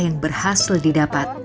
yang berhasil didapat